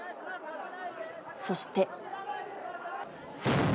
そして。